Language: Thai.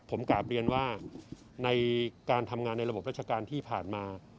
ผมกลับเรียนว่าในการทำงานในระบบราชการที่ผ่านมา